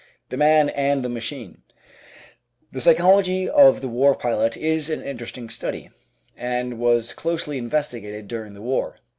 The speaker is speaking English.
The Man and the Machine The psychology of the war pilot is an interesting study, and was closely investigated during the war.